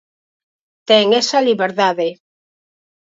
Ten esa liberdade.